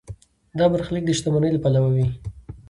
دا برخلیک د شتمنۍ له پلوه وي.